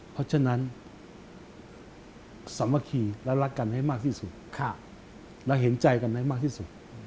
เพราะฉะนั้นสามัคคีและรักกันให้มากที่สุดเราเห็นใจกันให้มากที่สุด